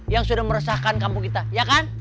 yang sudah meresahkan kampung kita ya kan